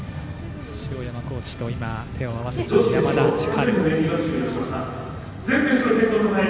塩山コーチと手を合わせた山田千遥。